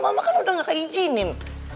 mama kan udah gak izinin